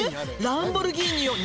「ランボルギーニよ！